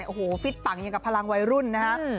โอ้โหฟิตปังอย่างกับพลังวัยรุ่นนะฮะ